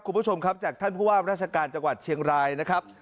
คุณผู้ชมครับจากท่านผู้ว่าราชการจังหวัดเชียงรายนะครับ